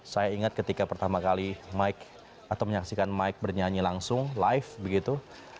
saya ingat ketika pertama kali mike atau menyaksikan mike bernyanyi langsung live begitu